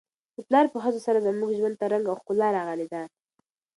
د پلار په هڅو سره زموږ ژوند ته رنګ او ښکلا راغلې ده.